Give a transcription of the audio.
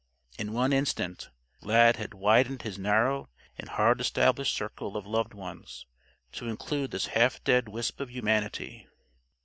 In one instant, Lad had widened his narrow and hard established circle of Loved Ones, to include this half dead wisp of humanity.